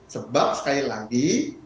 sebab sekali lagi